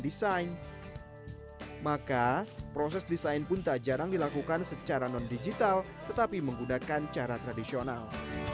desain maka proses desain pun tak jarang dilakukan secara non digital tetapi menggunakan cara tradisional